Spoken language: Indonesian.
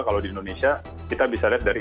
kalau di indonesia kita bisa lihat dari